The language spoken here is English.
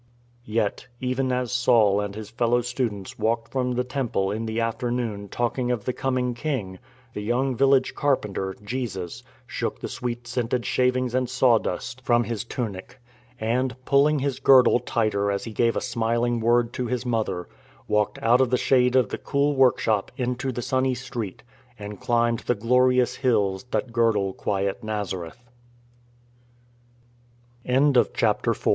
Yet, even as Saul and his fellow students walked from the Temple in the afternoon talking of the coming King, the young village Carpenter, Jesus, shook the sweet scented shavings and sawdust from THE GOLDEN AGE 59 His tunic, and — pulling His girdle tighter as He gave a smiling word to His mother — walked out of the shade of the cool workshop into the sunny street, and climbed the glorious hills "that girdle quiet N